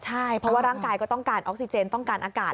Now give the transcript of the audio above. ใช่เพราะว่าร่างกายก็ต้องการออกซิเจนต้องการอากาศ